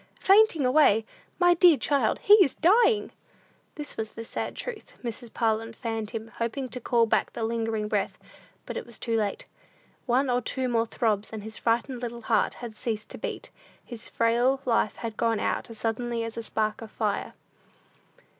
"Fainting away! My dear child, he is dying!" This was the sad truth. Mrs. Parlin fanned him, hoping to call back the lingering breath. But it was too late. One or two more throbs, and his frightened little heart had ceased to beat; his frail life had gone out as suddenly as a spark of fire.